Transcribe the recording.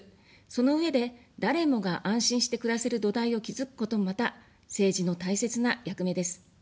そのうえで、誰もが安心して暮らせる土台を築くこともまた、政治の大切な役目です。